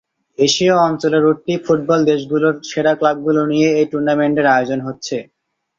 এশীয় অঞ্চলের উঠতি ফুটবল দেশগুলোর সেরা ক্লাবগুলো নিয়ে এই টুর্নামেন্টের আয়োজন হচ্ছে।